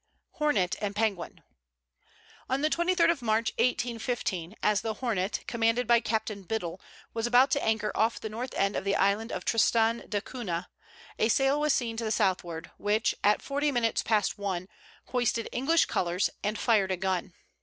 HORNET AND PENGUIN. On the 23d of March, 1815, as the Hornet, commanded by Captain Biddle, was about to anchor off the north end of the island of Tristan d'Acuna, a sail was seen to the southward; which, at forty minutes past one, hoisted English colors, and fired a gun.